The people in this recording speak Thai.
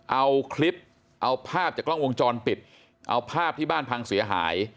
เอาคลิปเอาภาพจากกล้องวงจรปิดเอาภาพที่บ้านพังเสียหาย